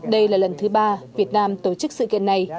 đây là lần thứ ba việt nam tổ chức sự kiện này